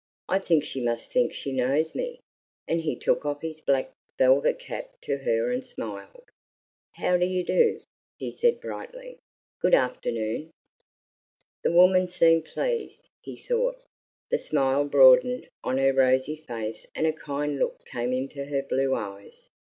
"I think she must think she knows me." And he took off his black velvet cap to her and smiled. "How do you do?" he said brightly. "Good afternoon!" The woman seemed pleased, he thought. The smile broadened on her rosy face and a kind look came into her blue eyes.